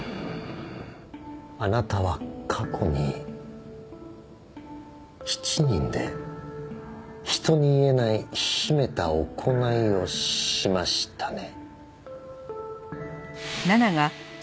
あなたは過去に７人で人に言えない秘めた行いをしましたね。